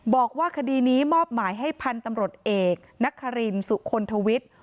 บอกว่าคดีนี้มอบหมายให้พันธุ์ตำรวจเอกนักฮารินสุคลทวิทย์